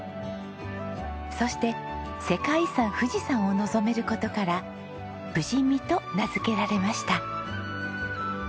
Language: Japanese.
そして世界遺産富士山を望める事から「富士見」と名付けられました。